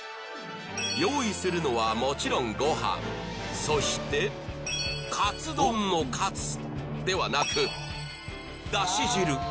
用意するのはもちろんごはんそしてカツ丼のカツではなくだし汁